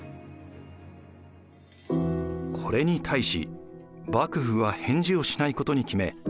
これに対し幕府は返事をしないことに決め